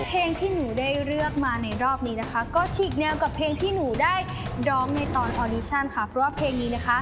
เพลงที่หนูได้เลือกมาโดยรอบนี้นะคะก็ฉีกแนวกับเพลงที่หนูได้ดรอบในตอนออดิชั่นค่ะ